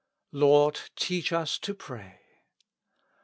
"Lord, teach us to pray."